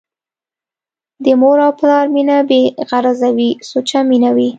د مور او پلار مينه بې غرضه وي ، سوچه مينه وي